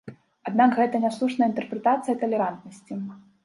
Аднак гэта няслушная інтэрпрэтацыя талерантнасці.